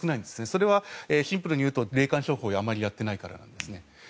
それはシンプルに言うと霊感商法をあまりやっていないからなんです。